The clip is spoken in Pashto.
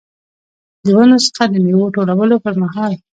د ونو څخه د میوو ټولولو پرمهال.